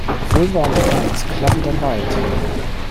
Vulva und Anus klaffen dann weit.